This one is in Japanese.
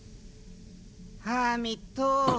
ハーミット。